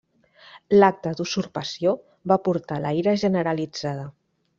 L'acte d'usurpació va portar la ira generalitzada.